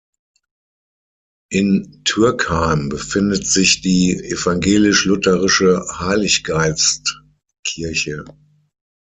In Türkheim befindet sich die evangelisch-lutherische Heiliggeistkirche.